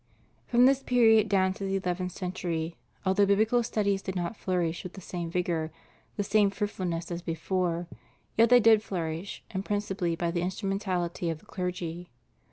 "* From this period down to the eleventh century, although biblical studies did not flourish with the same vigor and the same fruit fulness as before, yet they did flourish, and principally by the instrumentality of the clergy.